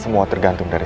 semua tergantung papa